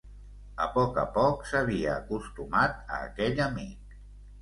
A poc a poc, s'havia acostumat a aquell amic.